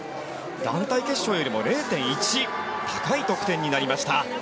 団体決勝よりも０．１高い得点になりました。